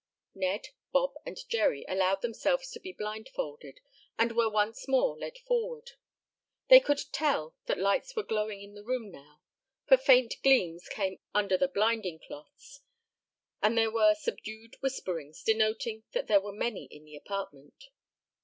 Ned, Bob and Jerry allowed themselves to be blindfolded and were once more led forward. They could tell that lights were glowing in the room now, for faint gleams came under the blinding cloths. And there were subdued whisperings, denoting that there were many in the apartment.